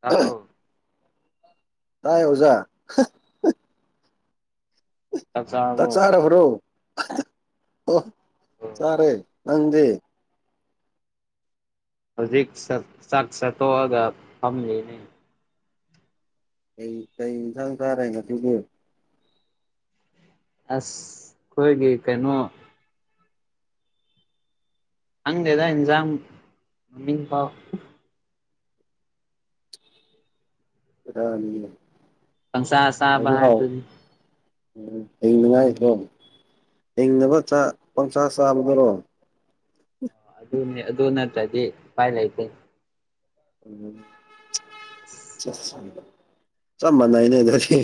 ꯇꯥꯕ꯭ꯔꯣ ꯇꯥꯏ ꯑꯣꯖꯥ ꯆꯥꯛ ꯇꯥ ꯆꯥꯔꯕꯣ ꯆꯥꯔꯕ꯭ꯔꯣ ꯑꯣ ꯆꯥꯔꯦ ꯅꯪꯗꯤ ꯍꯧꯖꯤꯛ ꯆꯥꯛ ꯆꯇꯣꯑꯒꯥ [unintelligible] ꯑꯩ ꯀꯩ ꯌꯦꯟꯁꯥꯡ ꯆꯥꯔꯦ ꯉꯁꯤꯒꯤ ꯑꯁ ꯑꯩꯈꯣꯏꯒꯤ ꯀꯩꯅꯣ ꯈꯪꯗꯦꯗ ꯏꯟꯖꯥꯝ ꯃꯃꯤꯡꯐꯥꯎ [unintelligible] ꯄꯪꯆꯥ ꯆꯥꯕ ꯍꯥꯎꯗꯤ ꯍꯥꯎ ꯍꯥꯏꯕꯗꯨꯅꯤ ꯎꯝ ꯍꯤꯡꯅꯤꯡꯉꯥꯏ [unintelligible] ꯍꯤꯡꯅꯕ ꯆꯥꯛ ꯄꯪꯆꯥ ꯆꯥꯕꯗꯔꯣ ꯑꯗꯨꯅꯤ ꯑꯗꯨ ꯅꯠꯇ꯭ꯔꯗꯤ ꯎꯄꯥꯏ ꯂꯩꯇꯦ ꯎꯝ [unintelligible] ꯆꯞ ꯃꯥꯟꯅꯩꯅꯦ ꯑꯗꯨꯗꯤ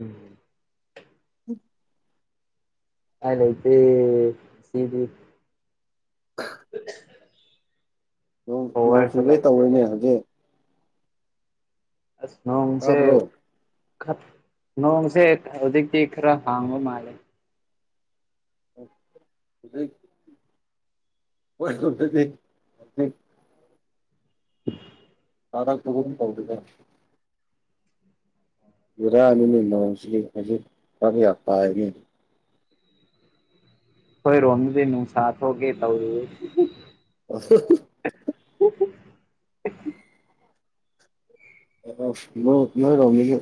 ꯎꯝ [inaudible] ꯄꯥꯏ ꯂꯩꯇꯦ ꯁꯤꯗꯤ [unintelligible] ꯅꯣꯡ ꯅꯣꯡ ꯄꯋꯥꯔꯁꯨ ꯆꯨꯒꯦ ꯂꯩꯇꯦ ꯇꯧꯌꯦꯅꯦ ꯍꯧꯖꯤꯛ ꯑꯁ ꯅꯣꯡꯁꯦ ꯇꯥꯕ꯭ꯔꯣ ꯈꯞ ꯅꯣꯡꯁꯦ ꯍꯧꯖꯤꯛꯇꯤ ꯈꯔ ꯍꯥꯡꯕ ꯃꯥꯜꯂꯦ ꯍꯨꯖꯤꯛ ꯍꯣꯏ ꯍꯣꯏ [unintelligible] ꯍꯧꯖꯤꯛ [inaudible] ꯇꯥꯔꯛꯄꯒꯨꯝ ꯇꯧꯕꯤꯒꯦ ꯕꯦꯔꯥꯅꯤꯅꯦ ꯅꯣꯡꯁꯤꯗꯤ ꯍꯧꯖꯤꯛ [unintelligible] ꯈꯣꯏꯔꯣꯝꯗꯗꯤ ꯅꯨꯡꯁꯥ ꯊꯣꯛꯀꯦ ꯇꯧꯔꯤꯌꯦ [unintelligible] [unintelligible] [unintelligible] ꯑ ꯑꯎ ꯅꯣꯏ ꯅꯣꯏꯔꯣꯝꯗꯒꯤ ꯑ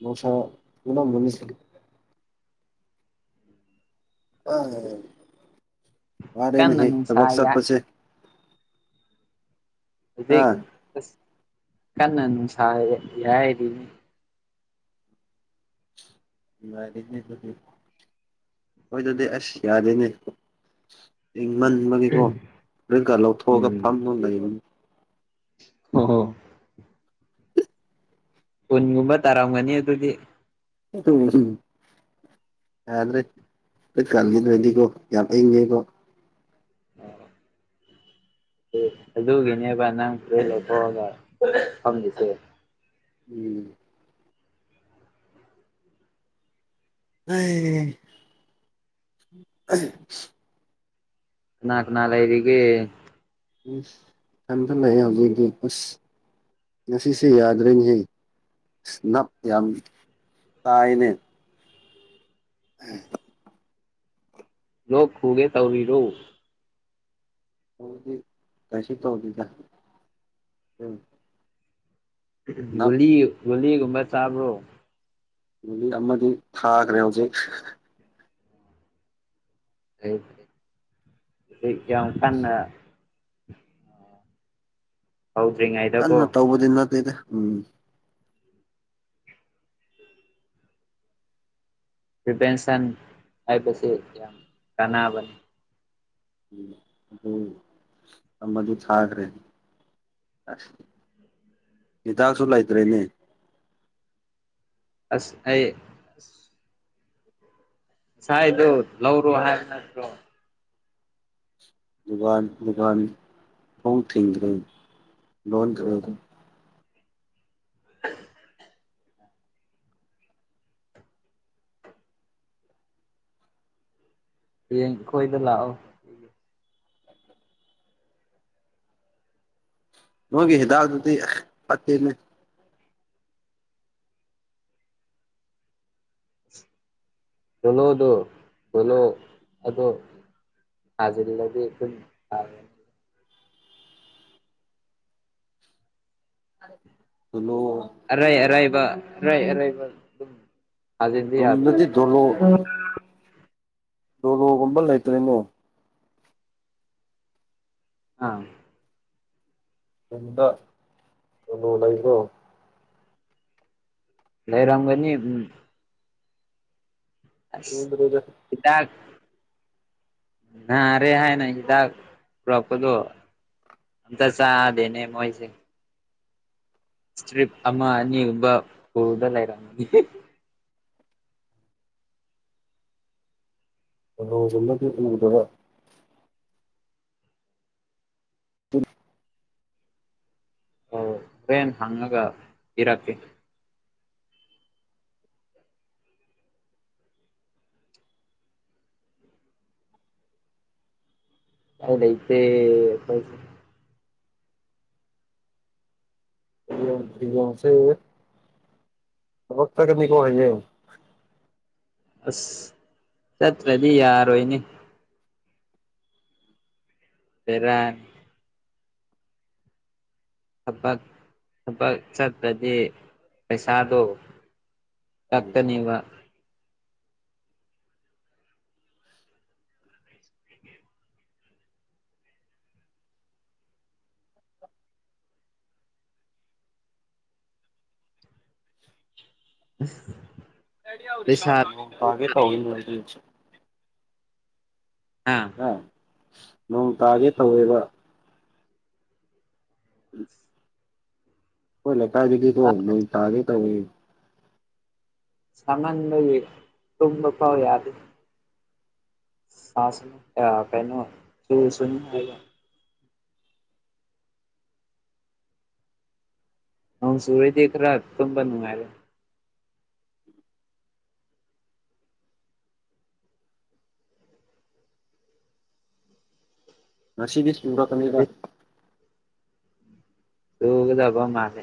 ꯅꯨꯡꯁꯥ ꯊꯨꯝꯃꯝꯃꯅꯤ ꯑ ꯀꯟꯅ ꯋꯥꯔꯦꯅꯦꯍꯦ ꯅꯨꯡꯁꯥ ꯊꯕꯛ ꯌꯥꯏ ꯆꯠꯄꯁꯦ ꯑ ꯍꯧꯖꯤꯛ ꯏꯁ ꯀꯟꯅ ꯅꯨꯡꯁꯥ ꯌ ꯌꯥꯏꯔꯤꯅꯤ ꯅꯨꯡꯉꯥꯏꯔꯦꯅꯦ ꯑꯗꯨꯗꯤ ꯑꯩꯈꯣꯏꯗꯗꯤ ꯑꯁ ꯌꯥꯗꯦꯅꯦ ꯏꯪꯃꯟꯕꯒꯤꯀꯣ ꯐꯨꯔꯤꯠꯀ ꯂꯧꯊꯣꯛꯑꯒ ꯐꯝꯃꯒ ꯂꯩꯕꯅꯤ ꯍꯣ ꯍꯣ ꯎꯟꯒꯨꯝꯕ ꯇꯔꯥꯝꯒꯅꯤ ꯑꯗꯨꯗꯤ [unintelligible] ꯌꯥꯗ꯭ꯔꯦ ꯐꯨꯀꯥ ꯂꯤꯠꯂꯣꯏꯅꯤꯀꯣ ꯌꯥꯝ ꯏꯪꯉꯦꯀꯣ ꯑꯣ ꯑꯣ [unintelligible] ꯑꯗꯨꯒꯤꯅꯦꯕ ꯅꯪ ꯐꯨꯔꯤꯠ ꯂꯧꯊꯣꯛꯑꯒ ꯐꯪꯗꯨꯏꯁꯦ ꯎꯝ [unintelligible] ꯀꯅꯥ ꯀꯅꯥ ꯂꯩꯔꯤꯒꯦ ꯏꯁ ꯀꯟꯖꯜꯂꯛꯑꯦ ꯍꯧꯖꯤꯛꯇꯤ ꯏꯁ ꯉꯁꯤꯁꯦ ꯌꯥꯗ꯭ꯔꯦꯅꯦꯍꯦ ꯑꯁ ꯅꯞ ꯌꯥꯝ ꯇꯥꯏꯅꯦ [unintelligible] ꯂꯣꯛ ꯈꯨꯒꯦ ꯇꯧꯔꯤꯔꯣ ꯑꯩꯗꯤ ꯀꯩꯁꯨ ꯇꯧꯗꯦꯗ ꯎꯝ ꯅꯞ ꯒꯨꯂꯤ ꯒꯨꯂꯤꯒꯨꯝꯕ ꯆꯥꯕ꯭ꯔꯣ ꯒꯨꯂꯤ ꯑꯃꯗꯤ ꯊꯥꯒꯔꯦ ꯍꯧꯖꯤꯛ ꯑꯣꯀꯦ ꯑꯣꯀꯦ ꯍꯧꯖꯤꯛ ꯌꯥꯝ ꯀꯟꯅ ꯍꯧꯗ꯭ꯔꯤꯉꯩ ꯀꯟꯅ ꯇꯧꯕꯗꯤ ꯅꯠꯇꯦꯗ ꯎꯝ ꯄ꯭ꯔꯤꯚꯦꯟꯁꯟ ꯍꯥꯏꯕꯁꯦ ꯌꯥꯝ ꯀꯥꯟꯅꯕꯅꯤ ꯎꯝ ꯑꯗꯨꯒꯤꯅꯤ ꯑꯃꯗꯨ ꯊꯥꯈ꯭ꯔꯤꯗꯣ ꯍꯤꯗꯥꯛꯁꯨ ꯂꯩꯇ꯭ꯔꯦꯅꯦ ꯑꯁ ꯑꯩ ꯉꯁꯥꯏꯗꯣ ꯂꯧꯔꯣ ꯍꯥꯏꯕ ꯅꯠꯇ꯭ꯔꯣ ꯀꯥꯟ ꯐ ꯊꯦꯡ꯭ꯔ ꯂꯣꯟꯣꯟ ꯀ [inaudible] ꯍꯌꯦꯡ ꯑꯈꯣꯏꯗ ꯂꯥꯛꯑꯣ ꯃꯣꯏꯒꯤ ꯍꯤꯗꯥꯛꯇꯨꯗꯤ ꯐꯠꯇꯦꯅꯦ ꯆꯂꯣ ꯑꯗꯨ ꯀꯂꯣ ꯑꯗꯨꯗꯣ ꯊꯥꯖꯤꯜꯂꯗꯤ ꯑꯗꯨꯝ ꯐꯒ꯭ꯔꯅꯤ ꯆꯂꯣ ꯑꯔꯥꯏ ꯑꯔꯥꯏꯕꯥꯏ ꯑꯔꯥꯏꯕ ꯔꯨꯝꯗꯗꯤ ꯗꯣꯂꯣ ꯗꯣꯂꯣꯒꯨꯝꯕ ꯂꯩꯇ꯭ꯔꯦꯅꯣ ꯑꯥ ꯗ ꯀꯂꯣ ꯂꯩꯕ꯭ꯔꯣ ꯂꯩꯔꯝꯒꯅꯤ ꯎꯝ ꯎꯗꯣꯖ ꯀꯤꯗꯥꯛ ꯅꯥꯔꯦ ꯍꯥꯏꯅ ꯍꯤꯗꯥꯛ ꯄꯨꯔꯛꯄꯗꯣ ꯍꯤꯗꯥꯛ ꯆꯥꯗꯦꯅꯦ ꯃꯣꯏꯁꯦ ꯏꯁꯇꯔꯤꯞ ꯑꯃ ꯑꯅꯤꯒꯨꯝꯕ ꯄꯨꯔꯗ ꯂꯩꯔꯝꯅꯤ ꯑꯣꯃꯂꯗꯕ ꯎ [inaudible] ꯑꯣ ꯍꯣꯔꯦꯟ ꯍꯪꯉꯒ ꯄꯤꯔꯛꯀꯦ ꯀ ꯂꯩ ꯏꯆꯦ ꯀꯩꯁꯦ ꯇꯅꯤ ꯀꯣ ꯑꯁ ꯆꯠꯇ꯭ꯔꯗꯤ ꯌꯥꯔꯣꯏꯅꯦ ꯐꯔ ꯊꯕꯛ ꯊꯕꯛ ꯆꯠꯄꯗꯤ ꯄꯩꯁꯥꯗꯣ ꯇꯛꯇꯅꯤꯕꯥ ꯑꯁ ꯦ [unintelligible] ꯑꯥ ꯑ ꯅꯣꯡ ꯇꯥꯒꯦ ꯇꯧꯋꯦꯕ ꯎꯝ ꯑꯩꯈꯣꯏ ꯂꯩꯀꯥꯏꯗꯗꯤꯀꯣ ꯅꯣꯡ ꯇꯥꯒꯦ ꯇꯧꯋꯦ ꯁꯃꯟꯕꯒꯤ ꯇꯨꯝꯕ ꯐꯥꯎ ꯌꯥꯗꯦ ꯁꯥ ꯀꯩꯅ ꯆ ꯑ ꯁꯨꯔꯔꯗꯤꯈ ꯔ ꯊꯝꯝꯕ ꯅꯨꯡꯉꯥꯏꯔꯦ ꯉꯁꯤꯗꯤ ꯆꯨꯔꯛꯀꯅꯤꯕ ꯇꯨꯒꯗꯕ ꯃꯥꯅꯦ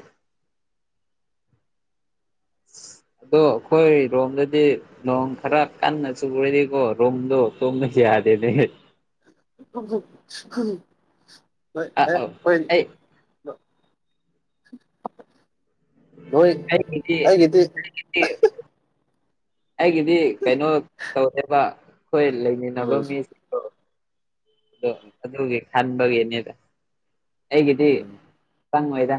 ꯑꯗꯣ ꯑꯩꯈꯣꯏ ꯔꯣꯝꯗꯗꯤ ꯂꯣꯡ ꯈꯔ ꯀꯥꯟꯅ ꯆꯨꯒꯗꯤꯀꯣ ꯔꯣꯝꯗꯣ ꯇꯣꯡ ꯌꯥꯗꯦꯅꯦ ꯍꯣꯏ ꯑ ꯑꯦ ꯑꯧ ꯍꯣꯏꯅꯤ ꯑꯩ ꯅꯣꯏꯣꯏ ꯑꯩꯒꯤꯗꯤ ꯑꯩꯒꯤꯗꯤ ꯀꯩꯅꯣ ꯇꯧꯋꯦꯕ ꯑꯩꯈꯣꯏ ꯂꯩꯃꯤꯟꯅꯕ ꯎꯝ ꯃꯤꯁꯤꯡ ꯑꯗꯣ ꯑꯗꯨꯒꯤ ꯈꯟꯕꯒꯤꯅꯤꯗ ꯑꯩꯒꯤꯗꯤ ꯆꯉ ꯉꯣꯏꯗ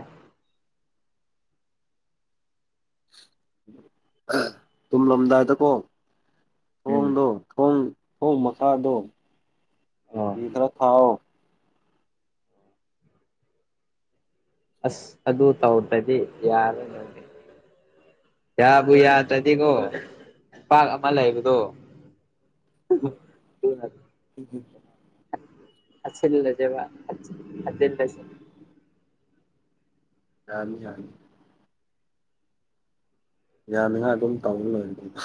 ꯇꯨꯝꯂꯝꯗꯥꯏꯗꯀꯣ ꯎꯝ ꯐꯣꯟꯗꯣ ꯊꯣꯡ ꯊꯣꯡ ꯃꯈꯥꯗꯣ ꯑꯣ ꯊꯤꯗꯔ ꯊꯥꯎꯑꯣ ꯑꯁ ꯑꯗꯨ ꯇꯧꯗꯔꯗꯤ ꯌꯥꯔꯣꯏꯍꯦ ꯌꯥꯕꯨ ꯌꯥꯗ꯭ꯔꯗꯤꯀꯣ ꯄꯥꯛ ꯑꯃ ꯂꯩꯕꯗꯣ [unintelligible] [unintelligible] ꯌꯥꯅꯤ ꯌꯥꯅꯤ ꯌꯥꯅꯤꯉꯥꯏ ꯑꯗꯨꯝ ꯇꯧ ꯂꯣꯢꯔꯦ ꯀꯩꯅꯣ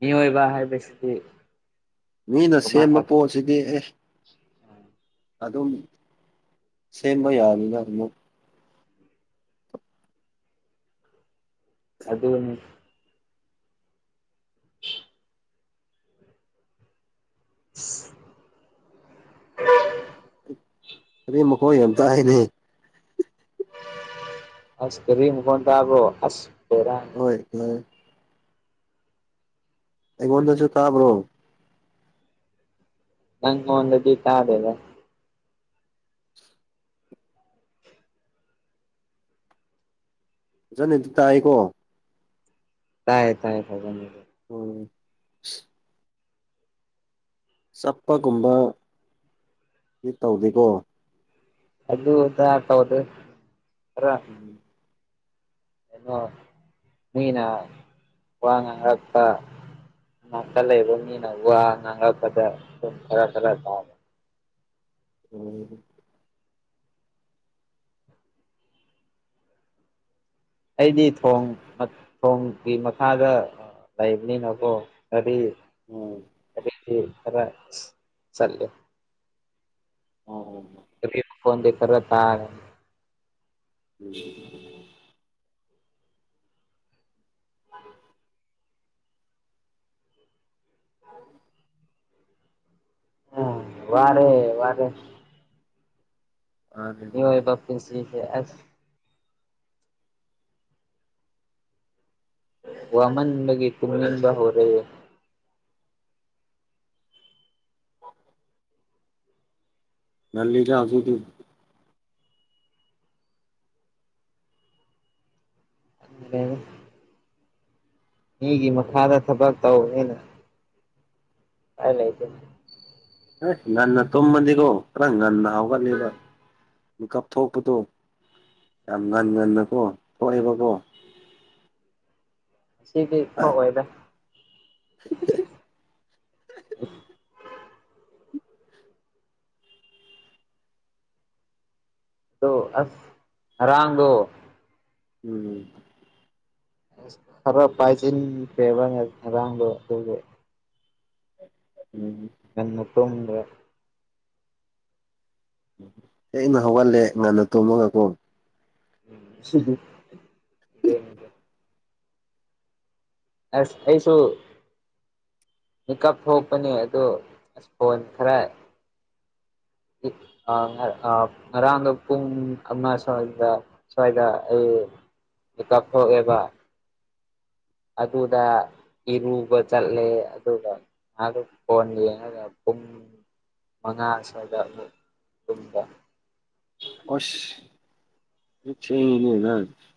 ꯃꯤꯑꯣꯏꯕ ꯍꯥꯏꯕꯁꯤꯗꯤ ꯃꯤꯅ ꯀꯃꯥꯏ ꯁꯦꯝꯕ ꯄꯣꯠꯁꯤꯗꯤ ꯑꯦ ꯑꯗꯨꯝ ꯁꯦꯝꯕ ꯌꯥꯅꯤꯅ ꯑꯃꯨꯛ ꯑꯗꯨꯅꯤ [inaudible] [inaudible] ꯒꯥꯔꯤ ꯃꯈꯣꯜ ꯌꯥꯝ ꯇꯥꯏꯅꯦ ꯑꯁ ꯒꯥꯔꯤ ꯃꯈꯣꯟ ꯇꯥꯕꯔꯣ ꯑꯁ ꯕꯦꯔꯥ ꯍꯣꯏ ꯍꯣꯏ ꯑꯩꯉꯣꯟꯗꯖꯨ ꯇꯥꯕ꯭ꯔꯣ ꯅꯪꯉꯣꯟꯗꯗꯤ ꯇꯥꯗꯦꯗ ꯐꯖꯟꯅ ꯑꯗꯨ ꯇꯥꯏꯀꯣ ꯇꯥꯏꯌꯦ ꯇꯥꯏ ꯐꯖꯟꯅ ꯑꯗꯨ [unintelligible] ꯆꯠꯄꯒꯨꯝꯕ ꯗꯤ ꯇꯧꯗꯦꯀꯣ ꯑꯗꯨ ꯑꯗꯥ ꯇꯧꯗꯦ ꯈꯔ [inaudible] ꯀꯩꯅꯣ ꯃꯤꯅ ꯋꯥ ꯉꯥꯡꯔꯛꯄ ꯅꯥꯀꯠ ꯂꯩꯕ ꯃꯤꯅ ꯋꯥ ꯉꯥꯡꯉꯛꯄꯗ ꯑꯗꯨꯝ ꯈꯔ ꯈꯔ ꯇꯥꯌꯦ ꯑꯣ ꯑꯩꯗꯤ ꯊꯣꯡ ꯊꯣꯡꯒꯤ ꯃꯈꯥꯗ ꯂꯩꯕꯅꯤꯅꯀꯣ ꯒꯥꯔꯤ ꯎꯝ ꯗꯤ ꯈꯔ ꯆꯠꯂꯦ [inaudible] [unintelligible] ꯃꯈꯣꯟꯗꯤ ꯈꯔ ꯇꯥꯥꯒꯅꯤ [inaudible] [inaudible] [inaudible] ꯎꯝ ꯋꯥꯔꯦ ꯋꯥꯔꯦ ꯃꯤꯌꯣꯢꯕ ꯄꯨꯟꯁꯤꯁꯦ ꯑꯁ ꯋꯥꯃꯟꯕꯒꯤ ꯇꯨꯝꯅꯤꯡꯕ ꯍꯧꯔꯦ ꯉꯜꯂꯤꯗ ꯍꯧꯖꯤꯛꯇꯤ [unintelligible] ꯃꯤꯒꯤ ꯃꯈꯥꯗ ꯊꯕꯛ ꯇꯧꯕꯅꯤꯅ ꯎꯄꯥꯢ ꯂꯩꯇꯦ ꯑꯦ ꯉꯟꯅ ꯇꯨꯝꯃꯗꯤꯀꯣ ꯈꯔ ꯉꯟꯅ ꯍꯧꯒꯠꯂꯦꯕ ꯃꯤꯀꯞ ꯊꯣꯛꯄꯗꯣ ꯌꯥꯝ ꯉꯟ ꯉꯟꯅꯀꯣ ꯊꯣꯛꯑꯦꯕꯀꯣ ꯉꯁꯤꯗꯤ ꯊꯣꯛꯑꯣꯏꯗ [unintelligible] ꯑꯗꯣ ꯑꯁ ꯉꯔꯥꯡꯗꯣ ꯎꯝ ꯈꯔ ꯄꯥꯏꯖꯤꯟꯈ꯭ꯔꯦꯕ ꯉꯔꯥꯡꯗꯣ ꯑꯗꯨꯒꯤ [unintelligible] ꯉꯟꯅ ꯇꯨꯝꯗ꯭ꯔꯥ ꯊꯦꯡꯅ ꯍꯧꯒꯠꯂꯦ ꯉꯟꯅ ꯇꯨꯝꯃꯒꯀꯣ [unintelligible] [inaudible] ꯑꯁ ꯑꯩꯁꯨ ꯃꯤꯀꯞ ꯊꯣꯛꯄꯅꯦ ꯑꯗꯣ ꯑꯁ ꯐꯣꯟ ꯈꯔ ꯑ ꯑ ꯉꯔꯥꯡꯗꯣ ꯄꯨꯡ ꯑꯃ ꯁ꯭ꯋꯥꯏꯗ ꯁ꯭ꯋꯥꯏꯗ ꯑꯩ ꯃꯤꯀꯞ ꯊꯣꯛꯑꯦꯕ ꯑꯗꯨꯗ ꯏꯔꯨꯕ ꯆꯠꯂꯦ ꯑꯗꯨꯒ ꯑꯗꯣ ꯐꯣꯟ ꯌꯦꯡꯉꯒ ꯄꯨꯡ ꯃꯉꯥ ꯁ꯭ꯋꯥꯏꯗ ꯑꯃꯨꯛ ꯇꯨꯝꯕ ꯑꯁ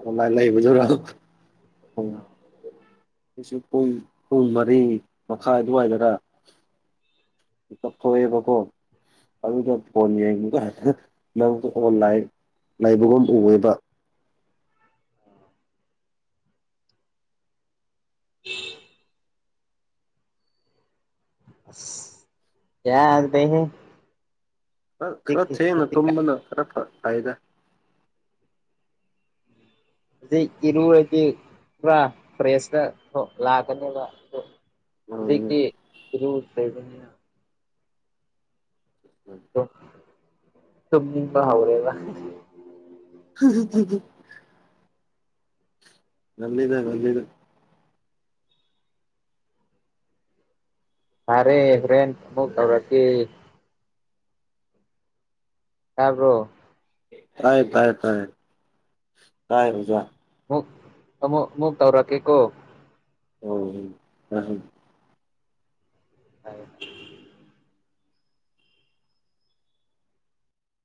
ꯀꯃꯥꯏ ꯂꯩꯕꯗꯨꯔꯣ ꯑꯩꯁꯨ ꯄꯨꯡ ꯄꯨꯡ ꯃꯔꯤ ꯃꯈꯥꯏ ꯑꯗꯨꯋꯥꯏꯗꯔ ꯃꯤꯀꯞ ꯊꯣꯛꯑꯦꯕꯀꯣ ꯑꯗꯨꯗ ꯐꯣꯟ ꯌꯦꯡꯕꯒ ꯍꯦꯛꯇ ꯑꯣꯟꯂꯥꯏꯟ ꯂꯩꯕꯒꯨꯝ ꯎꯏꯌꯦꯕ [unintelligible] ꯑꯁ ꯌꯥꯗꯔ꯭ꯦ ꯍꯦ ꯈꯔ ꯊꯦꯡꯅ ꯍꯧꯖꯤꯛꯀꯥꯟ ꯇꯨꯝꯕꯅ ꯈꯔ ꯐꯩꯗ ꯍꯧꯖꯤꯛ ꯏꯔꯨꯔꯗꯤ ꯄꯨꯔꯥ ꯐ꯭ꯔꯦꯁꯇ ꯂꯥꯛꯀꯅꯦꯕ ꯎꯝ ꯍꯧꯖꯤꯛꯇꯤ ꯂꯩꯕꯅꯤꯅ ꯇꯨꯝꯅꯤꯡꯕ ꯍꯧꯔꯦꯕ ꯉꯜꯂꯤꯗ ꯉꯜꯂꯤꯗ ꯐꯔꯦ ꯍꯣꯔꯦꯟ ꯑꯃꯨꯛ ꯇꯧꯔꯛꯀꯦ ꯇꯥꯕ꯭ꯔꯣ ꯇꯥꯏ ꯇꯥꯏ ꯇꯥꯏ ꯇꯥꯏ ꯇꯥꯏ ꯑꯃꯨꯛ ꯑꯃꯨꯛ ꯃꯨꯛ ꯇꯧꯔꯛꯀꯦꯀꯣ ꯑꯣ ꯎꯝ [unintelligible]